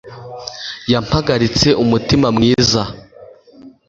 yampagaritse umutima mwiza